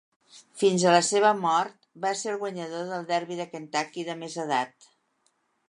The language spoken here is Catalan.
Fins a la seva mort, va ser el guanyador del Derby de Kentucky de més edat.